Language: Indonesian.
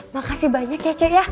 makasih banyak ya cuk